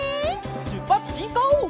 しゅっぱつしんこう！